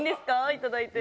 いただいて。